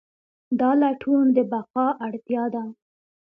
دا لټون د بقا اړتیا ده.